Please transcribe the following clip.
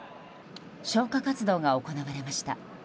消火活動が行われました。